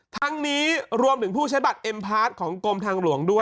ทั้งนี้รวมถึงผู้ใช้บัตรเอ็มพาร์ทของกรมทางหลวงด้วย